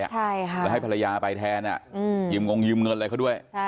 และให้ภรรยาไปแทนยืมเงินอะไรเขาด้วย